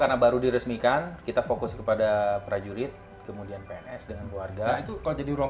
karena baru diresmikan kita fokus kepada prajurit kemudian pns dengan keluarga itu kalau jadi ruang